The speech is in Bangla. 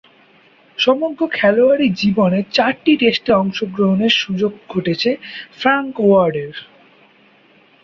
সমগ্র খেলোয়াড়ী জীবনে চারটি টেস্টে অংশগ্রহণের সুযোগ ঘটেছে ফ্রাঙ্ক ওয়ার্ডের।